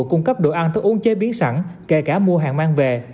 cung cấp đồ ăn thức uống chế biến sẵn kể cả mua hàng mang về